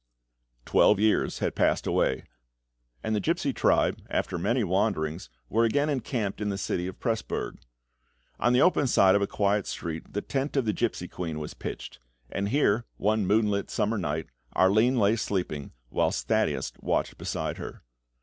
Twelve years had passed away, and the gipsy tribe, after many wanderings, were again encamped in the city of Presburg. On the open side of a quiet street the tent of the gipsy queen was pitched; and here, one moonlit summer night, Arline lay sleeping, whilst Thaddeus watched beside her.